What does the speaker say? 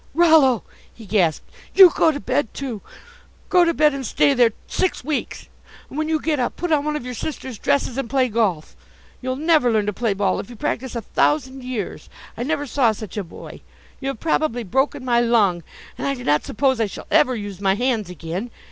"Rollo," he gasped, "you go to bed, too! Go to bed and stay there six weeks. And when you get up, put on one of your sister's dresses and play golf. You'll never learn to play ball if you practice a thousand years. I never saw such a boy. You have probably broken my lung. And I do not suppose I shall ever use my hands again.